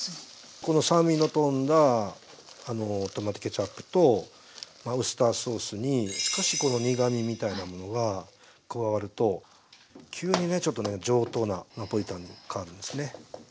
この酸味のとんだトマトケチャップとウスターソースに少しこの苦みみたいなものが加わると急にねちょっとね上等なナポリタンに変わるんですね。